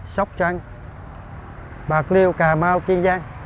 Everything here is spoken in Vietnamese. sóc trăng bạc liêu cà mau kiên giang